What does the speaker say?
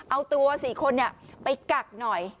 เอาตัว๔คนไปกักหน่อย